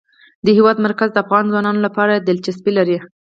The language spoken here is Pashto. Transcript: د هېواد مرکز د افغان ځوانانو لپاره دلچسپي لري.